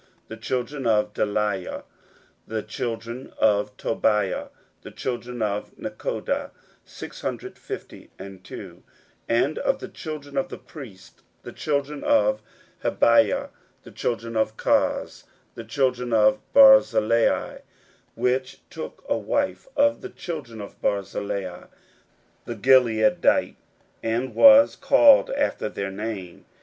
16:007:062 The children of Delaiah, the children of Tobiah, the children of Nekoda, six hundred forty and two. 16:007:063 And of the priests: the children of Habaiah, the children of Koz, the children of Barzillai, which took one of the daughters of Barzillai the Gileadite to wife, and was called after their name.